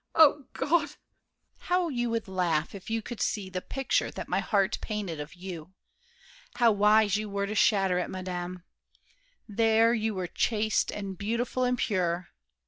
MARION. O God! DIDIER. How you would laugh if you could see The picture that my heart painted of you! How wise you were to shatter it, madame! There you were chaste and beautiful and pure!